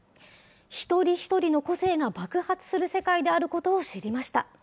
一人一人の個性が爆発する世界であることを知りました。